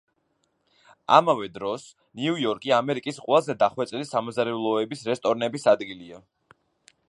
ამავე დროს, ნიუ-იორკი ამერიკის ყველაზე დახვეწილი სამზარეულოების რესტორნების ადგილია.